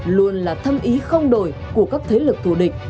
luôn là tâm ý không đổi của các thế lực thù địch